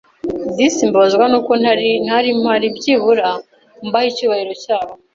Disi mbabazwa n’uko ntari mpari byibura mbahe icyubahiro cyabo!